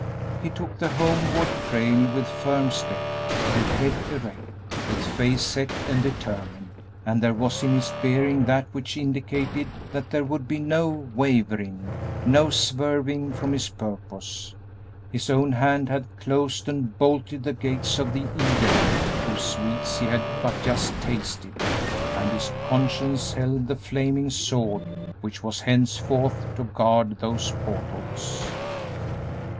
He took the homeward trail with firm step, with head erect, with face set and determined, and there was in his bearing that which indicated that there would be no wavering, no swerving from his purpose. His own hand had closed and bolted the gates of the Eden whose sweets he had but just tasted, and his conscience held the flaming sword which was henceforth to guard those portals.